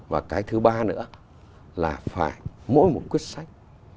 và cái thứ ba nữa là phải mỗi một quyết sách